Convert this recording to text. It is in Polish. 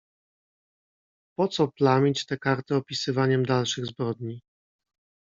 "Poco plamić te karty opisywaniem dalszych zbrodni?"